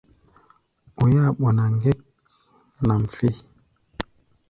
Oi-áa ɓɔná ŋgɛt nʼam fé.